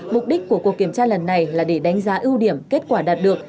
mục đích của cuộc kiểm tra lần này là để đánh giá ưu điểm kết quả đạt được